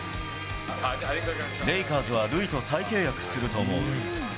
レイカーズはルイと再契約すると思う。